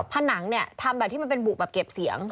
ผนังทำแบบที่มันเป็นบุบเก็บเสียง